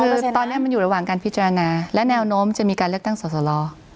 คือตอนนี้มันอยู่ระหว่างการพิจารณาและแนวโน้มจะมีการเลือกตั้งสอสล